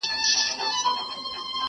سترګي توري د هوسۍ قد یې چینار وو!!